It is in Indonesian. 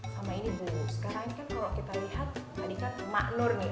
sama ini ibu sekarang ini kan kalau kita lihat tadi kan emak nur nih